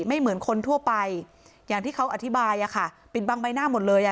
ไม่เหมือนคนทั่วไปอย่างที่เขาอธิบายอะค่ะปิดบังใบหน้าหมดเลยอ่ะ